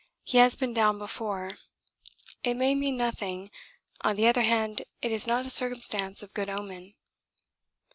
He has been down before. It may mean nothing; on the other hand it is not a circumstance of good omen.